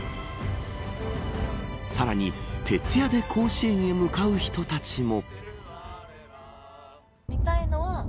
さらに徹夜で甲子園へ向かう人たちも。